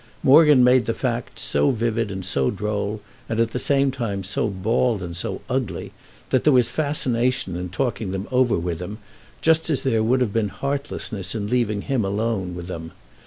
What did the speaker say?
Morgan made the facts so vivid and so droll, and at the same time so bald and so ugly, that there was fascination in talking them over with him, just as there would have been heartlessness in leaving him alone with them.